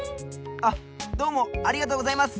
あっどうもありがとうございます。